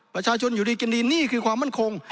ประชาชนอยู่ดีกินดีนี่คือความมั่นคง